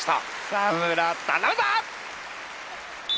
草村頼むぞ！